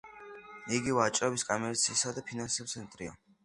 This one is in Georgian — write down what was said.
იგი ვაჭრობის, კომერციისა და ფინანსების ცენტრია.